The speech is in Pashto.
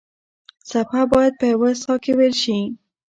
څپه باید په یوه ساه کې وېل شي.